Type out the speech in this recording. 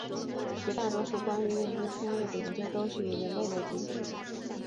绝大多数关于认知偏误的研究都是以人类为主体。